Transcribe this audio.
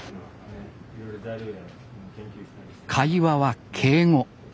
会話は敬語。